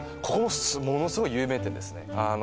ここもものすごい有名店ですね